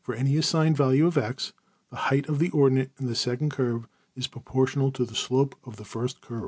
png}% any assigned value of~$x$, the \emph{height} of the ordinate in the second curve is proportional to the \emph{slope} of the first curve.